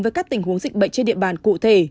với các tình huống dịch bệnh trên địa bàn cụ thể